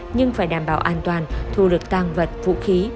nhưng phải đảm bảo an toàn thu được tăng vật vũ khí